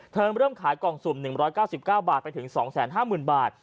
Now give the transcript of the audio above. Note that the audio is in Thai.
เริ่มขายกล่องสุ่ม๑๙๙บาทไปถึง๒๕๐๐๐บาท